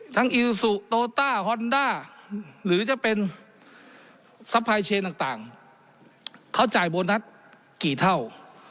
อิลซูโตต้าฮอนด้าหรือจะเป็นซัพพายเชนต่างเขาจ่ายโบนัสกี่เท่า